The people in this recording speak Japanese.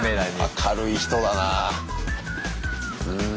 明るい人だなぁ。